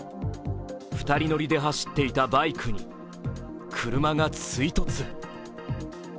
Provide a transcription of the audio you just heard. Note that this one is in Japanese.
２人乗りで走っていたバイクに車が追突。